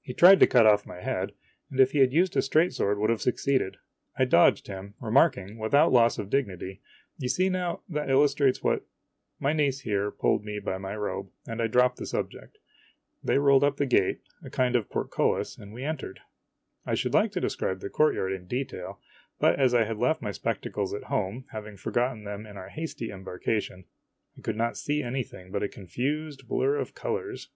He tried to cut my head off, and if he had used a straight sword would have succeeded. I clodded him. re <_> o marking, without loss of dignity, " You see, now, that illustrates what My niece here pulled me by my robe, and I dropped the subject. They rolled up the gate, a kind of portcullis, and we entered. I should like to describe the courtyard in detail, but as I had left my spectacles at home, having forgotten them in our hasty embarkation, I could not see anything but a confused blur of colors.